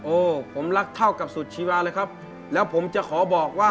ผมรักเท่ากับสุดชีวาเลยครับแล้วผมจะขอบอกว่า